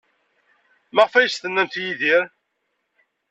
Maɣef ay as-tennamt i Yidir?